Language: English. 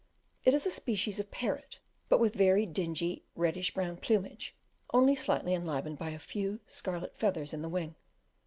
It is a species of parrot, but with very dingy reddish brown plumage, only slightly enlivened by a few, scarlet feathers in the wing.